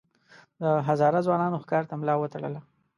د هزاره ځوانانو ښکار ته ملا وتړله.